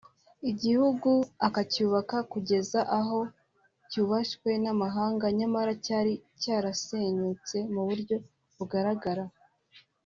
igihugu akacyubaka kugeza aho cyubashywe n’amahanga nyamara cyari cyarasenyutse mu buryo bugaragara